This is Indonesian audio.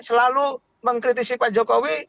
selalu mengkritisi pak jokowi